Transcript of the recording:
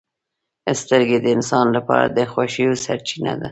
• سترګې د انسان لپاره د خوښیو سرچینه ده.